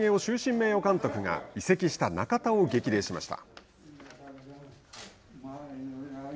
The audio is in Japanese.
名誉監督が移籍した中田を激励しました。